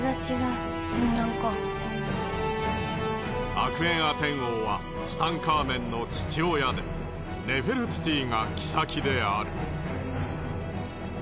アクエンアテン王はツタンカーメンの父親でネフェルティティが妃である。